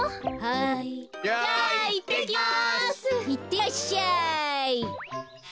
いってらっしゃい。